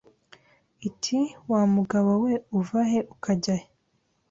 iti wa mugabo we uva he ukajya he